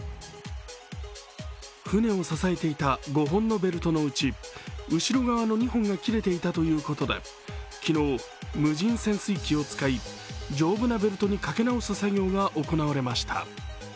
船を支えていた５本のベルトのうち後ろ側の２本が切れていたということで昨日、無人潜水機を使い丈夫なベルトにかけ直す作業が行われました。